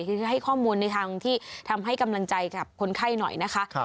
คือให้ข้อมูลในทางที่ทำให้กำลังใจกับคนไข้หน่อยนะคะ